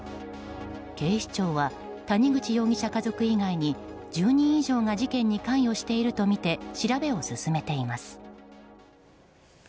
警視庁は谷口容疑者家族以外に１０人以上が事件に関与しているとみて調べを進めています。